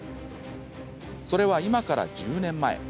それは今から１０年前。